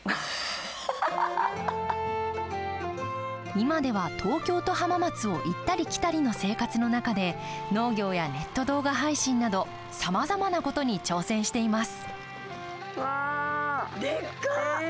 今では、東京と浜松を行ったり来たりの生活の中で農業やネット動画配信などさまざまなことに挑戦しています。